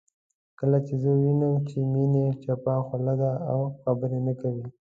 کله چې زه ووينم چې میني چپه خوله ده او خبرې نه کوي